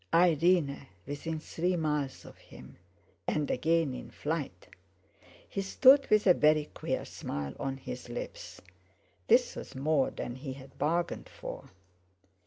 Irene within three miles of him!—and again in flight! He stood with a very queer smile on his lips. This was more than he had bargained for!